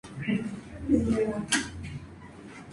Cursó una Licenciatura en el "Monte Carmel College de Bangalore".